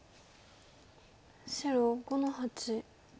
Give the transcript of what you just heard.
白５の八。